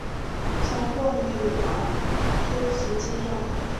曾获女王诗词金章。